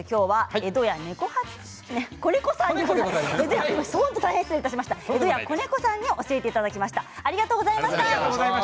江戸家小猫さんに教えていただきました。